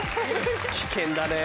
危険だね。